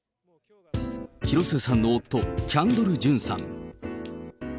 広末さんの夫、キャンドル・ジュンさん。